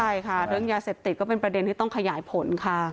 ใช่ค่ะเรื่องยาเสพติดก็เป็นประเด็นที่ต้องขยายผลค่ะ